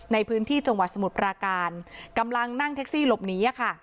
ในพื้นที่จังหวัดสมุทรปราการกำลังนั่งแท็กซี่หลบหนี